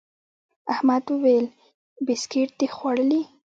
احمد وويل: بيسکیټ دي خوړلي؟